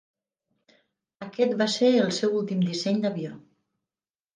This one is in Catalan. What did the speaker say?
Aquest va ser el seu últim disseny d'avió.